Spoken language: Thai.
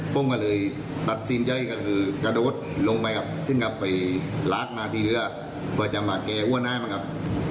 พวกมันเลยตัดสินใจกระโดดลงไปครับซึ่งกับไปลากมาที่เรือเพื่อจะมาแก้อ้วนให้มันครับ